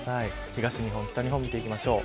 東日本、北日本見ていきましょう。